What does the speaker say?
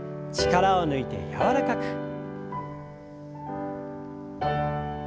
力を抜いて柔らかく。